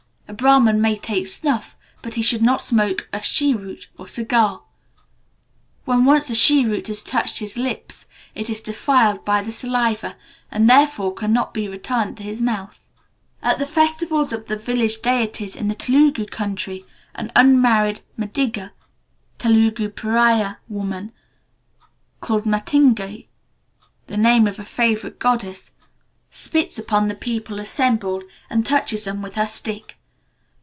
A Brahman may take snuff, but he should not smoke a cheroot or cigar. When once the cheroot has touched his lips, it is defiled by the saliva, and, therefore, cannot be returned to his mouth. At the festivals of the village deities in the Telugu country, an unmarried Madiga (Telugu Pariah) woman, called Matangi (the name of a favourite goddess) spits upon the people assembled, and touches them with her stick.